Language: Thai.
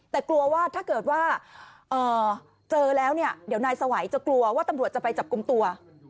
แต่กลัวว่าถ้าเกิดว่าเจอแล้วเนี่ยเดี๋ยวนายสวัยจะกลัวว่าตำรวจจะไปจับกลุ่มตัว